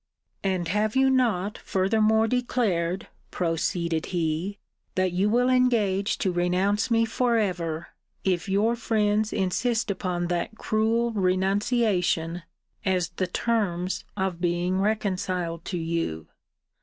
'And have you not furthermore declared,' proceeded he 'that you will engage to renounce me for ever, if your friends insist upon that cruel renunciation, as the terms of being reconciled to you?